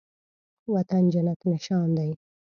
وطن جنت نشان دی